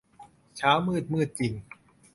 เช้ามืด มืดจริง